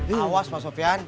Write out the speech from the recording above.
awas pak sofyan